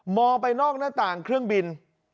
ไปนอกหน้าต่างเครื่องบิน